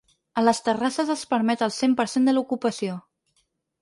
A les terrasses es permet el cent per cent de l’ocupació.